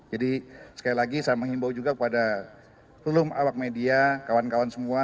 jadi sekali lagi saya menghimbau juga pada peluru awak media kawan kawan semua